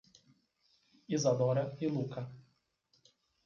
Isadora e Lucca